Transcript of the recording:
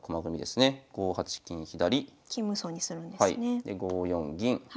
で５四銀。